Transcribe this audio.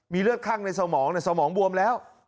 เลือดข้างในสมองสมองบวมแล้ว